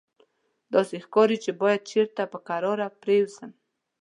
داسې ښکاري چې باید چېرته په کراره پرېوځم.